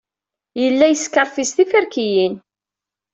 Yella yeskerfiẓ tiferkiyin.